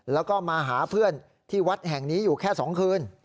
แล้วก็มาหาเพื่อนที่วัดแห่งนี้อยู่แค่๒คืน